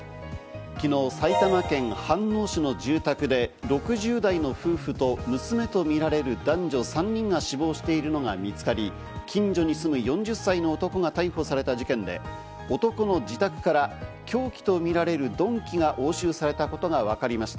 昨日、埼玉県飯能市の住宅で６０代の夫婦と娘とみられる男女３人が死亡しているのが見つかり、近所に住む４０歳の男が逮捕された事件で、男の自宅から凶器とみられる鈍器が押収されたことがわかりました。